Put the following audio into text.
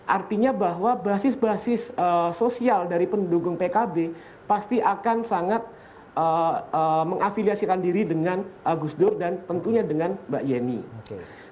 artinya bahwa basis basis sosial dari pendukung pkb pasti akan sangat mengafiliasikan diri dengan agus dur dan tentunya dengan mbak yeni kedua kalau kita melihat misalnya dalam pilpres dua ribu empat belas